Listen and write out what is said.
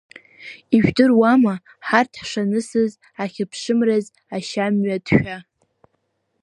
Ижәдыруама, ҳарҭ ҳшанысыз ахьԥшымраз ашьамҩа ҭшәа.